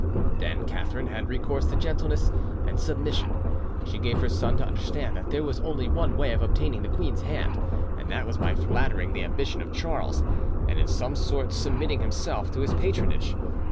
Then Catherine had recourse to gentleness and submission. She gave her son to understand that there was only one way of obtaining the queen's hand, and that was by flattering the ambition of Charles and in some sort submitting himself to his patronage.